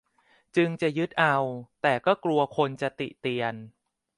จึงจะยึดเอาแต่ก็กลัวคนจะติเตียน